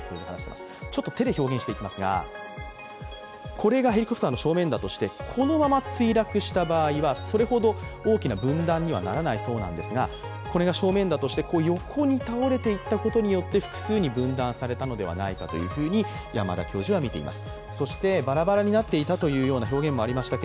これがヘリコプターの正面だとして、このまま墜落した場合はそれほど大きな分断にはならないそうなんですが、これが正面だとして、横に倒れていったことによって複数に分断されたのではないかと山田教授はみています。